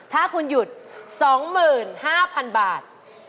ถ้าคุณหยุด๒๕๐๐๐บาท